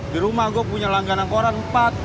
di rumah gue punya langganan koran empat